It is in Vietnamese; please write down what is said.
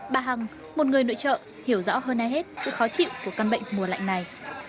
bà hằng một người nội trợ hiểu rõ hơn ai hết sự khó chịu của căn bệnh mùa lạnh này